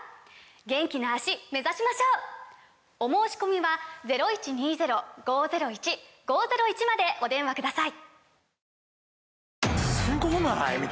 元気な脚目指しましょう！お申込みはお電話ください